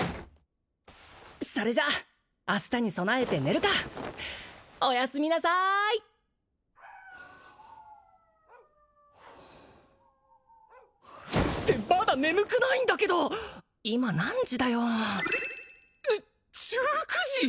それじゃあ明日に備えて寝るかおやすみなさーいってまだ眠くないんだけど今何時だよじゅ１９時！？